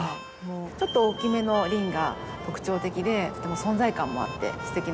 ちょっと大きめの輪が特徴的でとても存在感もあってすてきなお花ですよね。